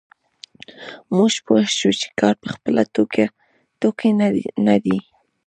موږ پوه شوو چې کار په خپله توکی نه دی